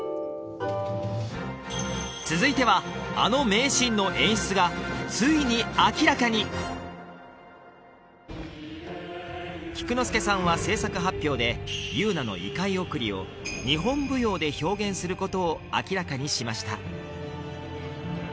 続いてはあの名シーンの演出がついに明らかに菊之助さんは制作発表でユウナの異界送りを日本舞踊で表現することを明らかにしました